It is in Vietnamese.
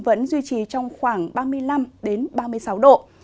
vẫn duy trì trong khoảng ba mươi năm ba mươi sáu độ